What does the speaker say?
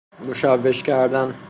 مشوش کردن